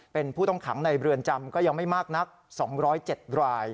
เป็นผู้ต้องขังในเรือนจำก็ยังไม่มากนัก๒๐๗ราย